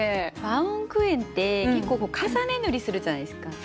バウムクーヘンって結構重ね塗りするじゃないですか。